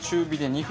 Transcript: ２分？